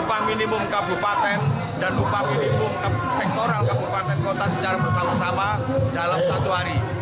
upah minimum kabupaten dan upah minimum sektoral kabupaten kota secara bersama sama dalam satu hari